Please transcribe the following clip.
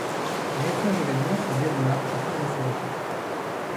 Un étrange évènement se déroula au cours de ce repas.